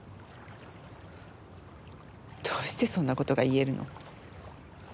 どうしてそんな事が言えるの？